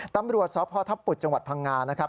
ตำรวจสพทัพปุดจังหวัดพังงานะครับ